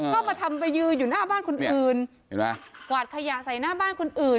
ชอบมาทำไปยืนอยู่หน้าบ้านคนอื่นเห็นไหมกวาดขยะใส่หน้าบ้านคนอื่น